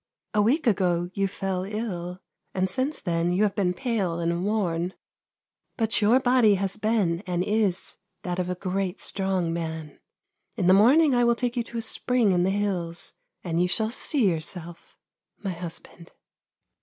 " A week ago you fell ill, and since then you have been pale and worn ; but your body has been, and is, that of a great strong man. In the morning I will take you to a spring in the hills, and you shall see yourself, my hus band."